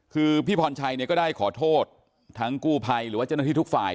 คือพี่พรชัยเนี่ยก็ได้ขอโทษทั้งกู้ภัยหรือว่าเจ้าหน้าที่ทุกฝ่าย